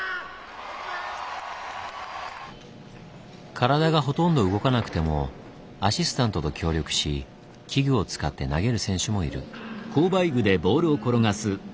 体がほとんど動かなくてもアシスタントと協力し器具を使って投げる選手もいる。